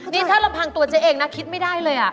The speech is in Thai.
นี่ถ้าลำพังตัวเจ๊เองนะคิดไม่ได้เลย